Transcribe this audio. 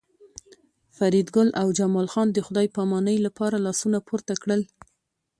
فریدګل او جمال خان د خدای پامانۍ لپاره لاسونه پورته کړل